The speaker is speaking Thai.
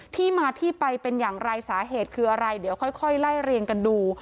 ที่มาที่ไปเป็นอย่างไรสาเหตุคืออะไรเดี๋ยวค่อยไล่เรียงกันดู